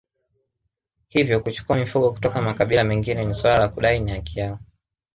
Hivyo huchukua mifugo kutoka makabila mengine ni suala la kudai ni haki yao